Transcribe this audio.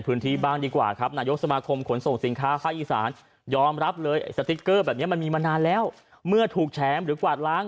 ผู้ปฏิบัติงานระดับล่าง